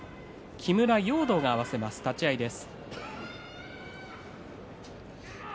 木村容堂が合わせる立ち合いです。